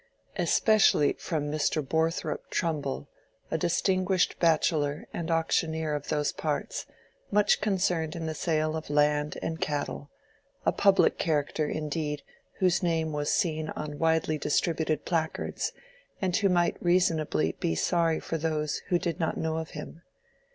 Especially from Mr. Borthrop Trumbull, a distinguished bachelor and auctioneer of those parts, much concerned in the sale of land and cattle: a public character, indeed, whose name was seen on widely distributed placards, and who might reasonably be sorry for those who did not know of him.